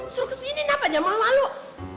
suruh kesini kenapa jangan malu malu